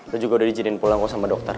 lo juga udah di jinin pulang kok sama dokter